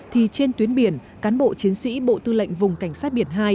thì trên tuyến biển cán bộ chiến sĩ bộ tư lệnh vùng cảnh sát biển hai